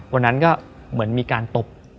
วันนั้นก็เหมือนมีการตบ